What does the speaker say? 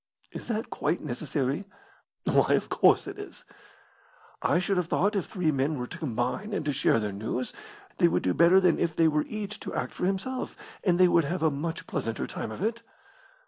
"Is that quite necessary?" "Why, of course it is." "I should have thought if three men were to combine and to share their news, they would do better than if they were each to act for himself, and they would have a much pleasanter time of it."